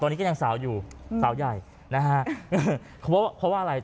ตอนนี้ก็ยังสาวอยู่สาวใหญ่นะฮะเพราะว่าอะไร